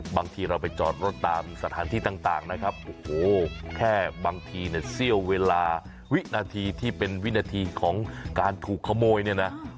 บางทีเราไปจอดรถตามสถานที่ต่างนะครับโอ้โหแค่บางทีเนี่ยเสี้ยวเวลาวินาทีที่เป็นวินาทีของการถูกขโมยเนี่ยนะ